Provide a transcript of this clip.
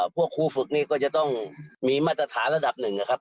พวกครูฝึกนี่ก็จะต้องมีมาตรฐานระดับหนึ่งนะครับ